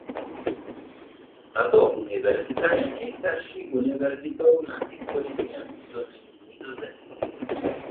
Tato univerzita je nejstarší univerzitou na historickém území Nizozemí.